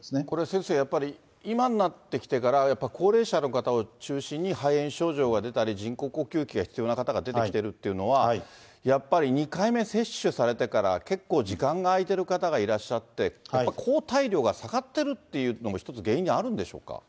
これ先生、やっぱり今になってきてから、やっぱり高齢者の方を中心に肺炎症状が出たり、人工呼吸器が必要な方が出てきているっていうのは、やっぱり２回目接種されてから、結構時間が空いてる方がいらっしゃって、抗体量が下がっているというのも、一つ原因にあるんでしょうか。